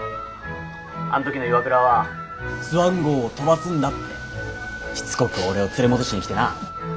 あん時の岩倉はスワン号を飛ばすんだってしつこく俺を連れ戻しに来てな。